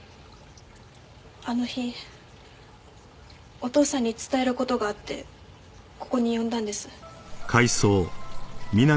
あの日お父さんに伝える事があってここに呼んだんです。